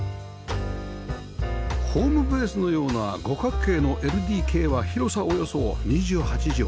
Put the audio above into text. ホームベースのような五角形の ＬＤＫ は広さおよそ２８畳